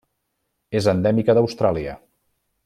És endèmica d'Austràlia.